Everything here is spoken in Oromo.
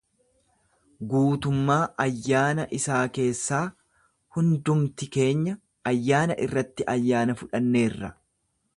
Guutummaa ayyaana isaa keessaa hundumti keenya ayyaana irratti ayyaana fudhanneerra.